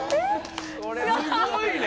すごいね。